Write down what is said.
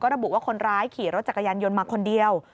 ระบุว่าคนร้ายขี่รถจักรยานยนต์มาคนเดียว